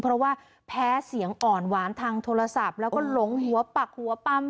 เพราะว่าแพ้เสียงอ่อนหวานทางโทรศัพท์แล้วก็หลงหัวปักหัวปั๊ม